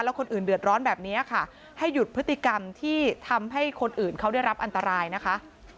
คนอื่นเดือดร้อนแบบนี้ค่ะให้หยุดพฤติกรรมที่ทำให้คนอื่นเขาได้รับอันตรายนะคะ